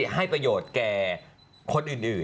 ให้ประโยชน์แก่คนอื่น